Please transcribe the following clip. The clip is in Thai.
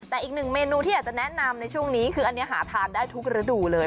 แต่อีกหนึ่งเมนูที่อยากจะแนะนำในช่วงนี้คืออันนี้หาทานได้ทุกฤดูเลย